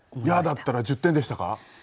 「や」だったら１０点でしたか？